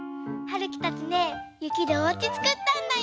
るきたちねゆきでおうちつくったんだよ！